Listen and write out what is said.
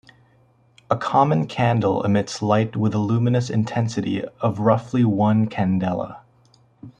A common candle emits light with a luminous intensity of roughly one candela.